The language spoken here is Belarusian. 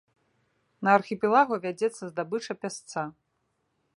На архіпелагу вядзецца здабыча пясца.